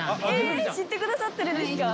知ってくださってるんですか？